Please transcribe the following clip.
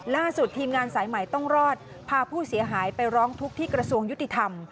ทีมงานสายใหม่ต้องรอดพาผู้เสียหายไปร้องทุกข์ที่กระทรวงยุติธรรม